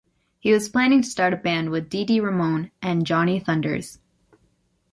He was planning to start a band with Dee Dee Ramone and Johnny Thunders.